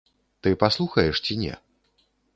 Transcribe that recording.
Ты паслухаеш ці не?